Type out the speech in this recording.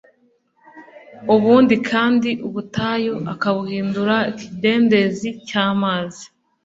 ubundi kandi ubutayu akabuhindura ikidendezi cy'amazi